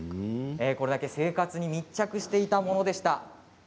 これだけ生活に密着していたものでした。